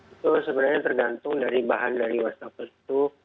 itu sebenarnya tergantung dari bahan dari wastafel itu